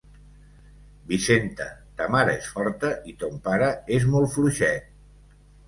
Vicenta, ta mare és forta i ton pare és molt fluixet.